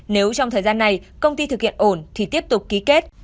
nếu trong thời gian này công ty thực hiện ổn thì tiếp tục ký kết